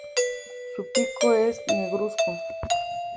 Su pico es negruzco.